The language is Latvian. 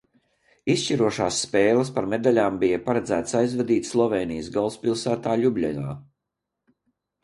Izšķirošās spēles par medaļām bija paredzēts aizvadīt Slovēnijas galvaspilsētā Ļubļanā.